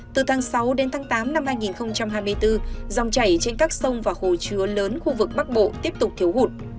từ tháng sáu đến tháng tám năm hai nghìn hai mươi bốn dòng chảy trên các sông và hồ chứa lớn khu vực bắc bộ tiếp tục thiếu hụt